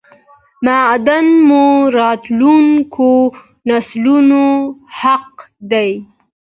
معادن مو راتلونکو نسلونو حق دی!!